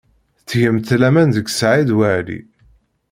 Tettgemt laman deg Saɛid Waɛli.